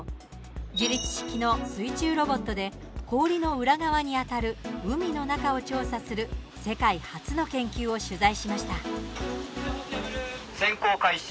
自立式の水中ロボットで氷の裏側にあたる海の中を調査する世界初の研究を取材しました。